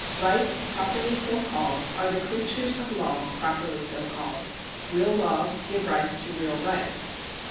... Rights properly so called are the creatures of law properly so called ; real laws give rise to real rights.